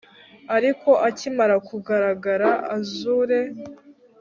Ariko akimara kugaragara azure